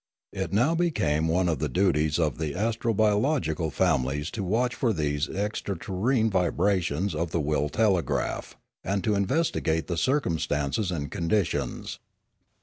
It now became one of the duties of the astrobiological families to watch for these 308 Limanora extraterrene vibrations of the will telegraph, and to investigate the circumstances and conditions.